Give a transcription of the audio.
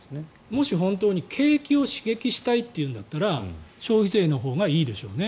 もし本当に景気を刺激したいというんだったら消費税のほうがいいでしょうね。